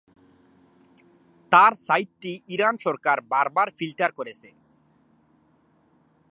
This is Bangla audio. তার সাইটটি ইরান সরকার বারবার ফিল্টার করেছে।